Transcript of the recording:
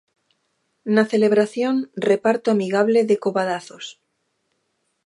Na celebración, reparto amigable de cobadazos.